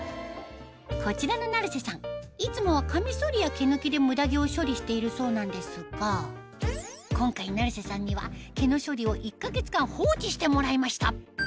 こちらの成瀬さんいつもはカミソリや毛抜きでムダ毛を処理しているそうなんですが今回成瀬さんには毛の処理を１か月間放置してもらいました